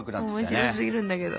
面白すぎるんだけど。